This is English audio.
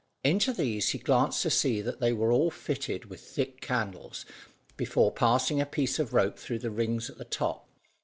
Into these he glanced to see that they were all fitted with thick candles before passing a piece of rope through the rings at the top.